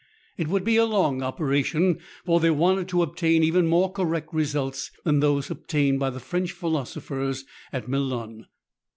It would be a long operation, for they wanted to obtain even more correct results than those obtained by the French philosophers at Melun.